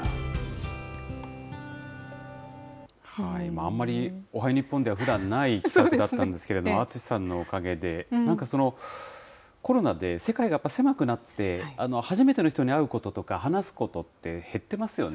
あんまりおはよう日本ではふだんない企画だったんですけれども、淳さんのおかげで、なんか、コロナで世界がやっぱり狭くなって、初めての人に会うこととか、話すことって減ってますよね。